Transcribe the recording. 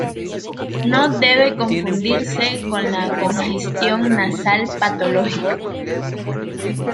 No debe confundirse con la congestión nasal patológica.